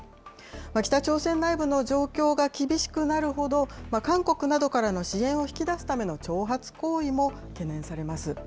北朝鮮内部の状況が厳しくなるほど、韓国などからの支援を引き出すための挑発行為も懸念されます。